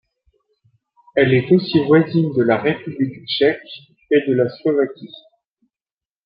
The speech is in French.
Elle est aussi voisine de la République tchèque et de la Slovaquie.